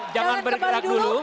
jangan bergerak dulu